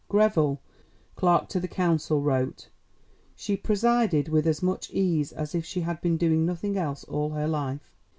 Greville, Clerk to the Council, wrote: "She presided with as much ease as if she had been doing nothing else all her life.